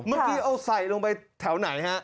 เมื่อกี้เอาใส่ลงไปแถวไหนฮะ